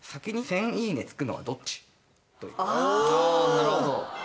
なるほど。